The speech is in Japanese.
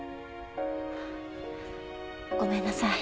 ごめんなさい